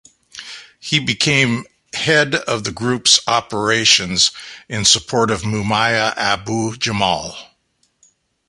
He became head of the group's operationsin support of Mumia Abu-Jamal.